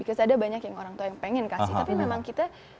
karena ada banyak orang tua yang pengen kasih tapi memang kita